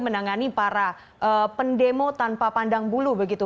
menangani para pendemo tanpa pandang bulu begitu